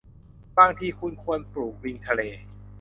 บางทีคุณควรปลูกลิงทะเล